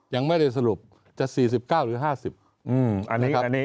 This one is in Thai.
ยังไม่ได้สรุปจะ๔๙หรือ๕๐